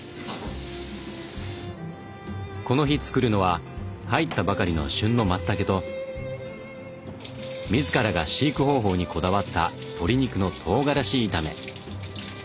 この日作るのは入ったばかりの旬のまつたけと自らが飼育方法にこだわった鶏肉のとうがらし炒め。